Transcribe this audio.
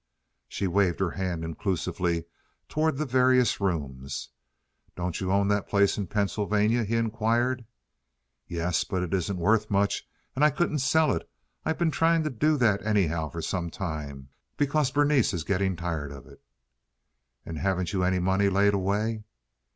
She waved her hand inclusively toward the various rooms. "Don't you own that place in Pennsylvania?" he inquired. "Yes, but it isn't worth much, and I couldn't sell it. I've been trying to do that anyhow for some time, because Berenice is getting tired of it." "And haven't you any money laid away?"